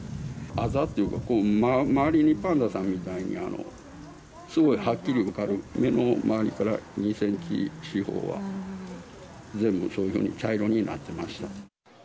あざっていうか、周りにパンダさんみたいにすごいはっきり分かる、目の周りから２センチ四方は全部そういうふうに茶色になってまし